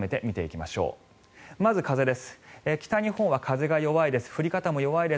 まず風です。